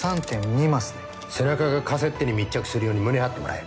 背中がカセッテに密着するように胸張ってもらえ。